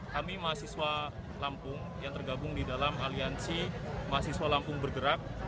kami mahasiswa lampung yang tergabung di dalam aliansi mahasiswa lampung bergerak